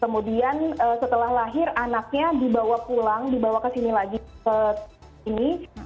kemudian setelah lahir anaknya dibawa pulang dibawa ke sini lagi ke sini